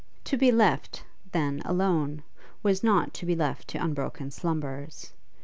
To be left, then, alone was not to be left to unbroken slumbers.